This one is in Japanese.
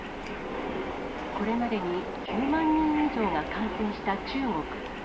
これまでに９万人以上が感染した中国。